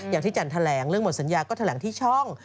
จันแถลงเรื่องหมดสัญญาก็แถลงที่ช่อง